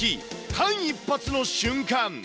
間一髪の瞬間。